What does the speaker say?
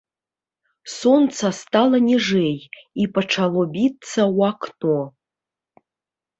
Сонца стала ніжэй і пачало біцца ў акно.